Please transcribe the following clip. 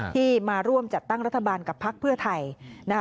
ที่มาร่วมจัดตั้งรัฐบาลกับพักเพื่อไทยนะคะ